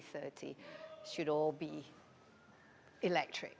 harus semua berbasis bus elektrik